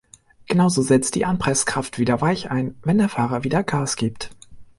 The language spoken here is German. Genauso setzt die Anpresskraft wieder weich ein, wenn der Fahrer wieder Gas gibt.